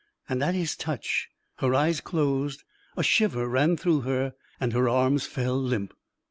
And at his touch, her eyes closed, a shiver ran through her, and her arms fell limp